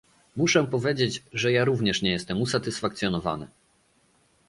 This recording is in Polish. Muszę powiedzieć, że ja również nie jestem usatysfakcjonowany